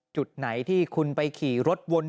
จุดไหนที่คุณไปขี่รถวน